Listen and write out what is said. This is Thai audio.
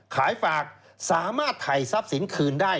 ขายฝากสามารถถ่ายทรัพย์สินคืนได้